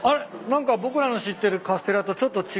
何か僕らの知ってるカステラとちょっと違う。